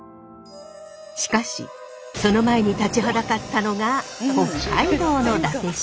しかしその前に立ちはだかったのが北海道の伊達市。